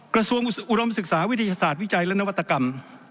กระทรวงอุดมศึกษาวิทยาศาสตร์วิจัยและนวัตกรรม